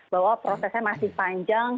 bahwa prosesnya masih panjang